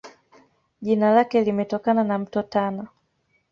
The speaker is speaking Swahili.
Jina lake limetokana na Mto Tana.